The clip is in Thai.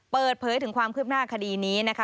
เปิดเผยถึงความคืบหน้าคดีนี้นะคะ